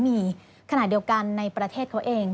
มีขณะเดียวกันในประเทศเขาเอง